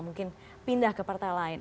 mungkin pindah ke partai lain